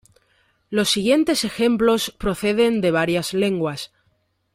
Los siguientes ejemplos proceden de varias lenguas.